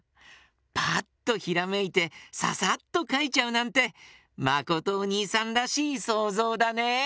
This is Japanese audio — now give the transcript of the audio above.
パッとひらめいてササッとかいちゃうなんてまことおにいさんらしいそうぞうだね。